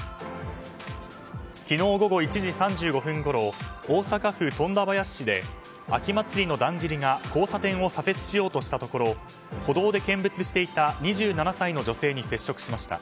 昨日午後１時３５分ごろ大阪府富田林市で秋祭りのだんじりが交差点を左折しようとしたところ歩道で見物していた２７歳の女性に接触しました。